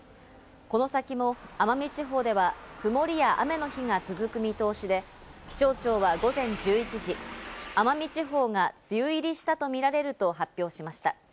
この先も奄美地方では曇りや雨の日が続く見通しで、気象庁は午前１１時、奄美地方が梅雨入りしたとみられると発表しました。